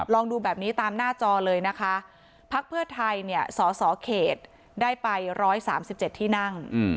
ลองดูแบบนี้ตามหน้าจอเลยนะคะภักดิ์เพื่อไทยเขตได้ไปร้อยสามสิบเจ็ดที่นั่ง